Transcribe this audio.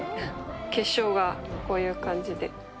結晶がこういう感じで。